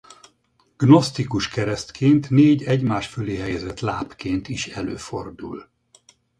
Gnosztikus keresztként négy egymás fölé helyezett lábként is előfordul.